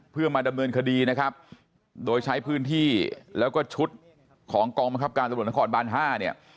เพื่อมาดำเนินคดีนะครับโดยใช้พื้นที่แล้วก็ชุดของกองบังคับการตำรวจนครบานห้าเนี่ย